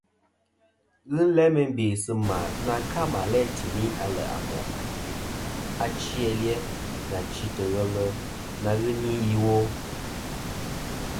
Ghɨ n-læ meyn bè sɨ̂ mà na ka mà læ̂ tìmi aleʼ à mòʼ achi a li-a, nà chîtɨ̀ ghelɨ na ghɨ ni iwo.